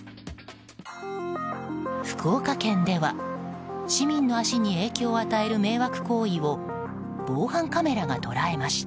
福岡県では、市民の足に影響を与える迷惑行為を防犯カメラが捉えました。